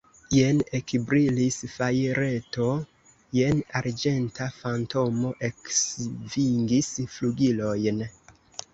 Jen ekbrilis fajreto, jen arĝenta fantomo eksvingis flugilojn.